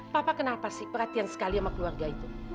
papa kenapa sih perhatian sekali sama keluarga itu